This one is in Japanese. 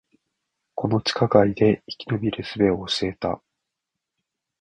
この地下街で生き延びる術を教えた